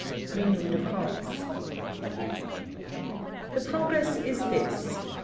*^^ (Renewed applause.) The progress is this.